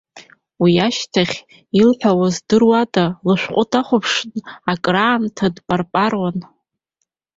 Уи ашьҭахь илҳәауаз здырхуада, лышәҟәы дахәаԥшны акыраамҭа дпарпаруан.